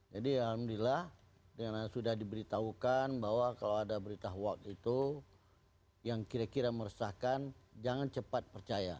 jadi alhamdulillah sudah diberitahukan bahwa kalau ada berita hoax itu yang kira kira meresahkan jangan cepat percaya